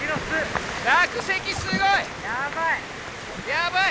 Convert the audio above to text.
やばい！